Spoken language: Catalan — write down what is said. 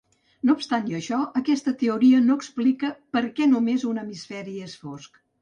No obstant això, aquesta teoria no explica per què només un hemisferi és fosc.